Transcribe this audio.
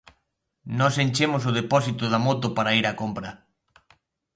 Nos enchemos o depósito da moto para ir a compra.